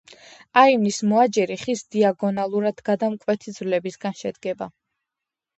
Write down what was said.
აივნის მოაჯირი ხის დიაგონალურად გადამკვეთი ძვლებისგან შედგება.